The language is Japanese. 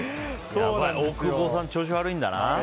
大久保さん、調子悪いんだな。